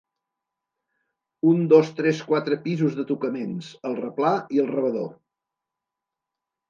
Un dos tres quatre pisos de tocaments, el replà i el rebedor.